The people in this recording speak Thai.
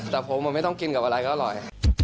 แต่ผมไม่ต้องกินกับอะไรก็อร่อย